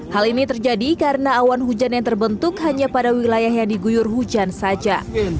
hal ini terjadi karena awan hujan yang terbentuk hanya pada wilayah yang diguyur hujan saja